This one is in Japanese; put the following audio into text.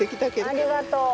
ありがとう。